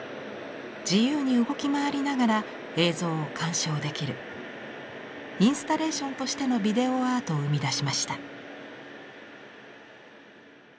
自由に動き回りながら映像を鑑賞できるインスタレーションとしてのビデオアートを生み出しました。